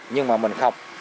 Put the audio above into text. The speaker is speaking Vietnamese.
nhưng mà mình không